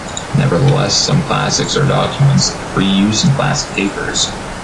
Nevertheless, some “classics” are documents of free use in Classic papers.